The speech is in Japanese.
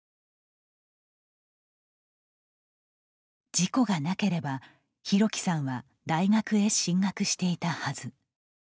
事故がなければ、裕貴さんは大学へ進学していたはず。